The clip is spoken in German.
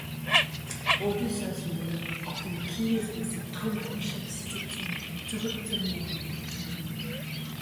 Odysseus wird, auf dem Kiel seines zertrümmerten Schiffs sitzend, zurück zur Meerenge getrieben.